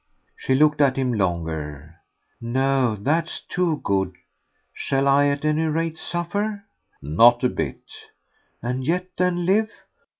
She looked at him longer. "No, that's too good. Shall I at any rate suffer?" "Not a bit." "And yet then live?"